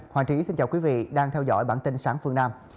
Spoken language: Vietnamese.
hoàng trí xin chào quý vị đang theo dõi bản tin sáng phương nam